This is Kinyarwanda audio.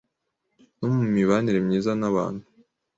no mu mibanire myiza n’abantu